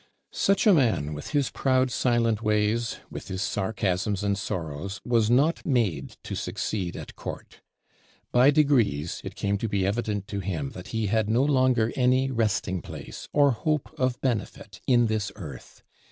Such a man, with his proud silent ways, with his sarcasms and sorrows, was not made to succeed at court. By degrees, it came to be evident to him that he had no longer any resting place, or hope of benefit, in this earth.